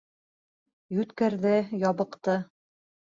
Йүткерҙе, ябыҡты.